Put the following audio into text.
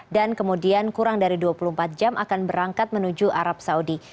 dan kemudian kurang dari dua puluh empat jam akan berangkat menuju arab saudi